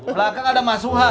belakang ada masuha